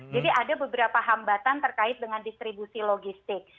jadi ada beberapa hambatan terkait dengan distribusi logistik